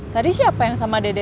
tadi siapa yang sama dede